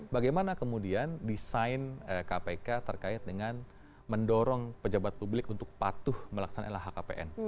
bagaimana kemudian desain kpk terkait dengan mendorong pejabat publik untuk patuh melaksanakan lhkpn